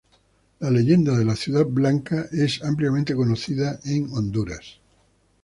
La leyenda de la Ciudad Blanca es ampliamente conocido en Honduras.